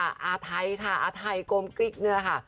อาไทค่ะอาไทกลมกริ๊กเนื้อค่ะ